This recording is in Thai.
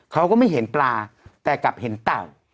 เขาก็ไม่เห็นปลาแต่กลับเห็นเต่า